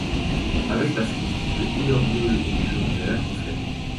Avec la fumée, les couleurs jaune et bleu-vert reflètent.